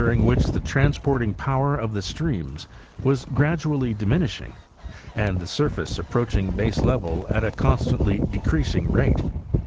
125 ing which the transporting power of the streams was gradually diminishing and the surface approaching baselevel at a con stantly decreasing rate.